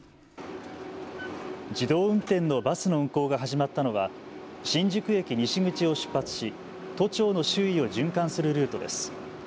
自動運転のバスの運行が始まったのは新宿駅西口を出発し都庁の周囲を循環するルートです。